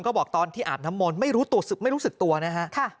ก็บอกตอนที่อาบน้ำมนต์ไม่รู้ตัวไม่รู้สึกตัวนะฮะ